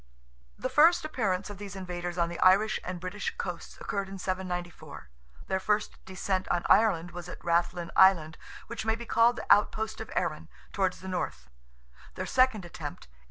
The first appearance of these invaders on the Irish and British coasts occurred in 794. Their first descent on Ireland was at Rathlin island, which may be called the outpost of Erin, towards the north; their second attempt (A.